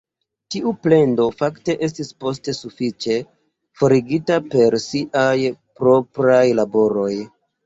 Tiu plendo fakte estis poste sufiĉe forigita per siaj propraj laboroj.